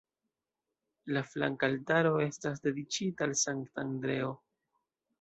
La flanka altaro estas dediĉita al Sankta Andreo.